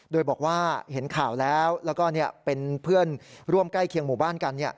โดยบอกว่าเห็นข่าวแล้วแล้วก็เป็นเพื่อนร่วมใกล้เคียงหมู่บ้านกัน